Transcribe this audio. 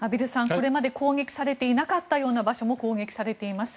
これまで攻撃されていなかったような場所も攻撃されています。